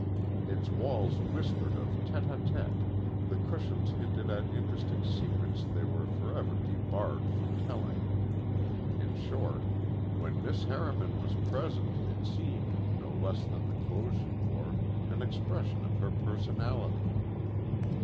Its walls whispered of tête à têtes, the cushions hinted at interesting secrets they were forever debarred from telling. In short, when Miss Harriman was present, it seemed, no less than the clothes she wore, an expression of her personality.